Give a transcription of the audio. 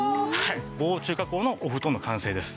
防虫加工のお布団の完成です。